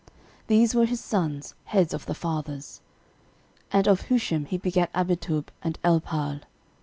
These were his sons, heads of the fathers. 13:008:011 And of Hushim he begat Abitub, and Elpaal.